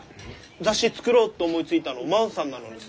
雑誌作ろうと思いついたの万さんなのにさ。